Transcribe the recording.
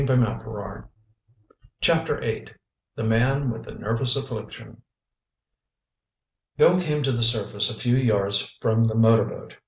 Chapter VIII THE MAN WITH THE NERVOUS AFFLICTION Bill came to the surface a few yards from the motor boat.